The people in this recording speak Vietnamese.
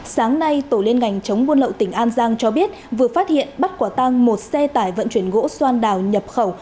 sáng nay tổ liên ngành chống buôn lậu tỉnh an giang cho biết vừa phát hiện bắt quả tăng một xe tải vận chuyển gỗ xoan đào nhập khẩu